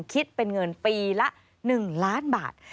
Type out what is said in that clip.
คิดเป็นเงินปีละ๑ล้านบาท